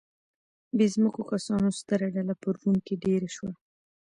بې ځمکو کسانو ستره ډله په روم کې دېره شوه